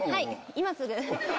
今すぐ。